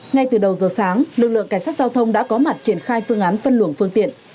ngay từ đầu giờ sáng lực lượng cảnh sát giao thông đã có mặt triển khai phương án phân luồng phương tiện